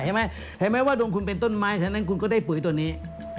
เห็นไหมเห็นไหมว่าดวงคุณเป็นต้นไม้ฉะนั้นคุณก็ได้ปุ๋ยตัวนี้